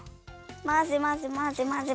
まぜまぜまぜまぜ。